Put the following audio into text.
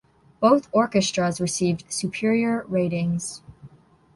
Both orchestras received superior ratings.